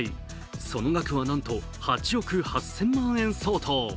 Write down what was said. その額はなんと８億８０００万円相当。